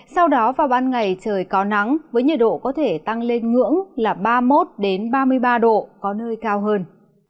sau đó vào ban ngày trời có nắng với nhiệt độ có thể tăng lên ngưỡng là ba mươi một ba mươi ba độ có nơi cao hơn